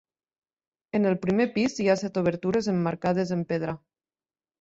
En el primer pis hi ha set obertures emmarcades en pedra.